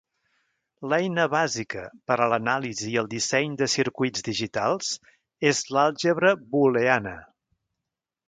L'eina bàsica per a l'anàlisi i el disseny de circuits digitals és l'àlgebra booleana.